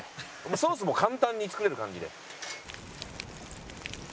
ソースも簡単に作れる感じで。